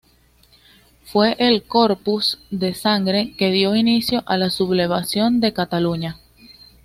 Fue el Corpus de Sangre que dio inicio a la sublevación de Cataluña.